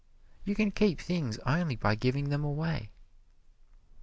You can keep things only by giving them away.